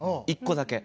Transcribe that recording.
１個だけ。